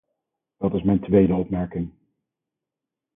Dat is mijn tweede opmerking.